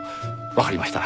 わかりました。